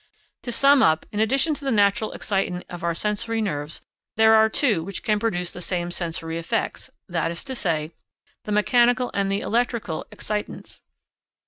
To sum up, in addition to the natural excitant of our sensory nerves, there are two which can produce the same sensory effects, that is to say, the mechanical and the electrical excitants.